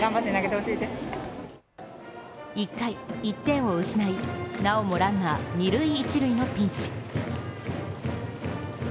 １回、１点を失い、なおもランナー二塁・一塁のピンチ。